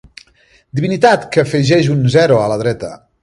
Divinitat que afegeix un zero a la dreta.